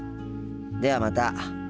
ではまた。